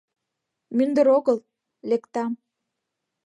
— Мӱндыр огыл, лектам...